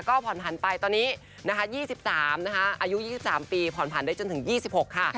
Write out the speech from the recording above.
ก็ผ่อนผันไปตอนนี้นะคะ๒๓นะคะอายุ๒๓ปีผ่อนผันได้จนถึง๒๖ค่ะ